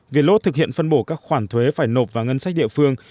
viet lốt thực hiện phân bổ các khoản thuế phải nộp vào ngân sách địa phương